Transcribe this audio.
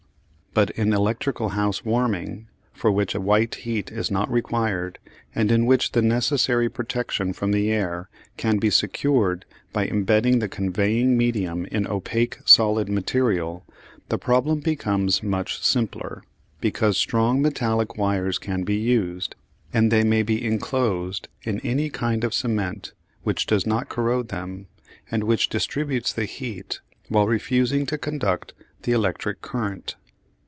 But in electrical house warming, for which a white heat is not required and in which the necessary protection from the air can be secured by embedding the conveying medium in opaque solid material, the problem becomes much simpler, because strong metallic wires can be used, and they may be enclosed in any kind of cement which does not corrode them and which distributes the heat while refusing to conduct the electric current.